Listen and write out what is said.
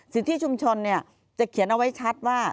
สิทธิชุมชนจะเขียนเอาไว้ชัดว่า